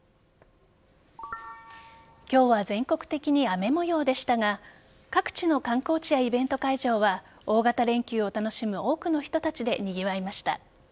今日は全国的に雨模様でしたが各地の観光地やイベント会場は大型連休を楽しむ多くの人たちでにぎわいました。